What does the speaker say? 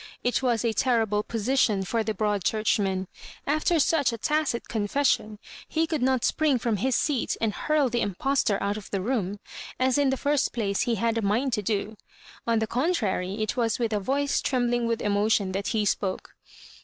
It was a terrible position for the Broad Churchman. After such a tacit confession he could not spring from his seat and burl the impostor out of the room, as in the first place he had a mind to da On the contrary, it was with a voice trembling with emotion that he spoke.